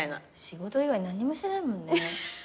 仕事以外何にもしてないもんね。